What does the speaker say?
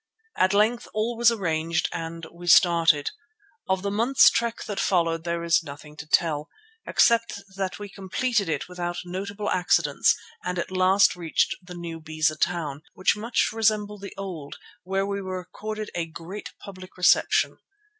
At length all was arranged and we started. Of the month's trek that followed there is nothing to tell, except that we completed it without notable accidents and at last reached the new Beza Town, which much resembled the old, where we were accorded a great public reception.